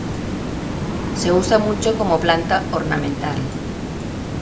Se usa mucho como planta ornamental.